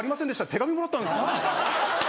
手紙もらったんです。